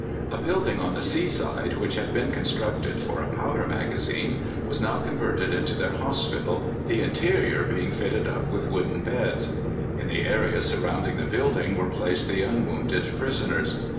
A building on the sea side, which had been constructed for a powder magazine, was now converted into their hospital, the interior being fitted up with wooden beds. In the area surrounding the building were placed the unwounded prisoners.